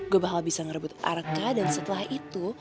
gue bakal bisa ngerebut arka dan setelah itu